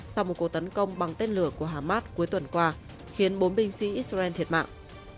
sau một cuộc tấn công bằng tên lửa của hamas cuối tuần qua khiến bốn binh sĩ israel thiệt mạng